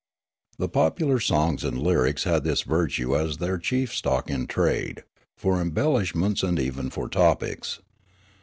The popular songs and lyrics had this virtue as their chief stock in trade, for embellishments and even for topics.